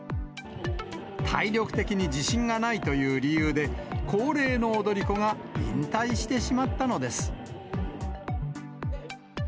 体力的に自信がないという理由で、高齢の踊り子が引退してしまったのです。